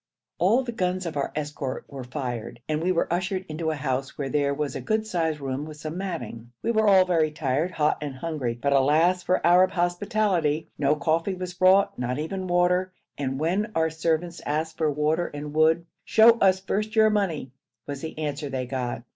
All the guns of our escort were fired, and we were ushered into a house, where there was a good sized room with some matting. We were all very tired, hot and hungry, but alas for Arab hospitality! No coffee was brought, not even water, and when our servants asked for water and wood 'Show us first your money' was the answer they got.